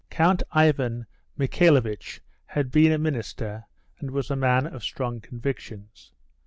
Count Ivan Michaelovitch had been a minister, and was a man of strong convictions.